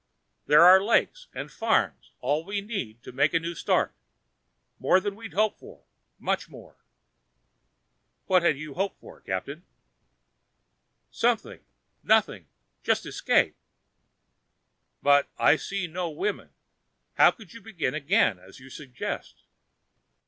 "There are lakes and farms and all we need to make a new start more than we'd hoped for, much more." "What had you hoped for, Captain?" "Something. Nothing. Just escape " "But I see no women how could you begin again, as you suggest?"